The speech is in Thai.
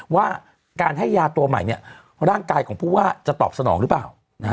ว่าการให้ยาตัวใหม่ร่างกายของผู้ว่าจะตอบสนองหรือเปล่า